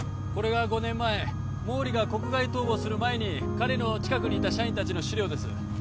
これが５年前毛利が国外逃亡する前に彼の近くにいた社員達の資料です